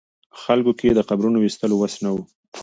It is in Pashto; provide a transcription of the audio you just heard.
خلکو کې د قبرونو ویستلو وس نه و.